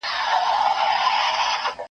نه بارونه د چا وړې نه به نوکر یې .